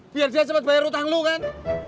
biar dia cepat bayar hutang lo kan